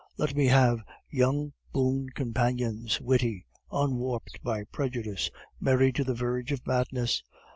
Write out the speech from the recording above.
Let me have young boon companions, witty, unwarped by prejudice, merry to the verge of madness!